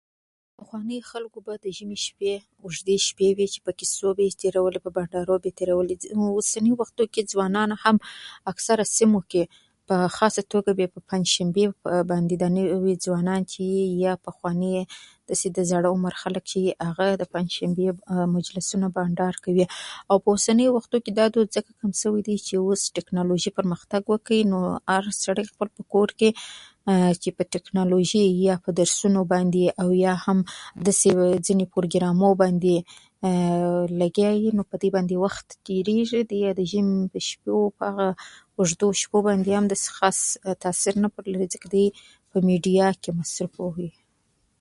پخواني خلکو به د ژمي شپې، اوږدې شپې وې، چې په کیسو به یې تیرولې، په بنډارو به یې تیرولې. ځینې اوسني وختونو کې ځوانان هم، اکثره سیمو کې، په خاصه توګه په پنجشنبې باندې، نوي ځوانان چې دي، يا پخواني زاړه عمر خلک چې دي، هغه د پنجشنبې مجلسونه، بنډار کوي. او په اوسنیو وختونو کې دا دود ځکه کم شوی دی چې اوس تکنالوژي پرمختګ کړی، نو هر سړی په خپل کور کې، چې په تکنالوژي، یا درسونو باندې، او یا هم داسې ځینو پروګرامونو باندې لګیا وي، او په دې باندې وخت تیریږي. دوی د ژمي په هغه اوږدو شپو باندې، یا داسې خاص تاثیر نه پرېوزي، ځکه په میډیا کې مصروفه وي.